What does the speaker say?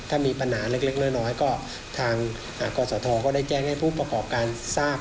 ถ้ามีปัญหาเล็กน้อยก็ทางกศธก็ได้แจ้งให้ผู้ประกอบการทราบ